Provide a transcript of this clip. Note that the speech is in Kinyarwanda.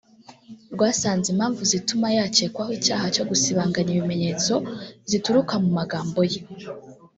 rwasanze impamvu zituma yakekwaho icyaha cyo gusibanganya ibimenyetso zituruka mu magambo ye